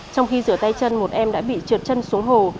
trong khi rửa tay chân một em đã bị trượt chân xuống hồ